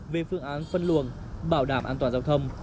về phương án phân luồng bảo đảm an toàn giao thông